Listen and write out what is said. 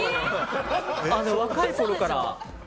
若いころから。